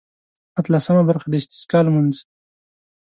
اتلسمه برخه د استسقا لمونځ.